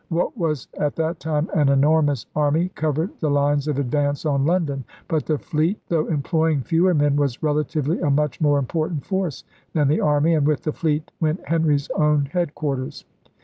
What was at that time an enormous army covered the lines of advance on London. But the fleet, though employing fewer men, was relatively a much more important force than the army; and with the fleet went Henry's own headquarters.